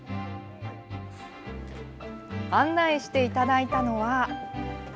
案内していただいたのは。